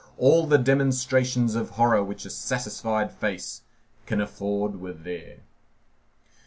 All the demonstrations of horror which a satisfied face can afford were there.